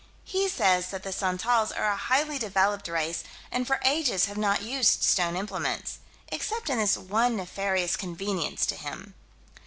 He says that the Santals are a highly developed race, and for ages have not used stone implements except in this one nefarious convenience to him.